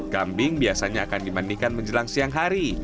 kambing biasanya akan dimandikan menjelang siang hari